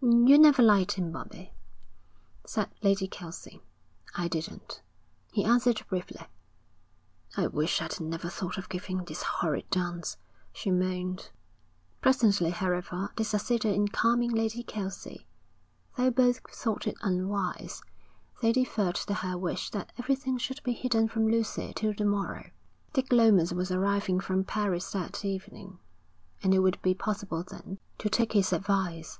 'You never liked him, Bobbie,' said Lady Kelsey. 'I didn't,' he answered briefly. 'I wish I'd never thought of giving this horrid dance,' she moaned. Presently, however, they succeeded in calming Lady Kelsey. Though both thought it unwise, they deferred to her wish that everything should be hidden from Lucy till the morrow. Dick Lomas was arriving from Paris that evening, and it would be possible then to take his advice.